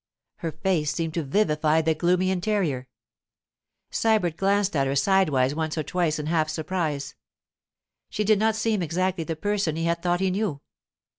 Her face seemed to vivify the gloomy interior. Sybert glanced at her sidewise once or twice in half surprise; she did not seem exactly the person he had thought he knew.